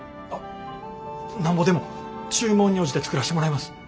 なんぼでも注文に応じて作らしてもらいます。